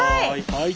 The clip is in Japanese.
はい。